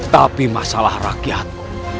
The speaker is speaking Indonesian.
tapi masalah rakyat